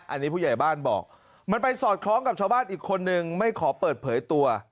อันนี้ผู้ใหญ่บ้านบอกมันไปสอดคล้องกับชาวบ้านอีกคนนึงไม่ขอเปิดเผยตัว